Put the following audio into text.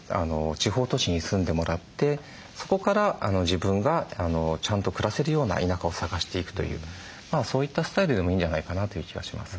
地方都市に住んでもらってそこから自分がちゃんと暮らせるような田舎を探していくというそういったスタイルでもいいんじゃないかなという気がします。